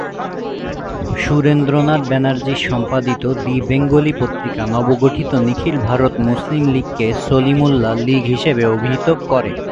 সুরেন্দ্রনাথ ব্যানার্জী সম্পাদিত দি বেঙ্গলি পত্রিকা নবগঠিত নিখিল ভারত মুসলিম লীগ কে সলিমুল্লাহ লীগ হিসেবে অভিহিত করে।